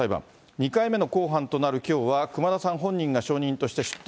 ２回目の公判となるきょうは、熊田さん本人が証人として出廷。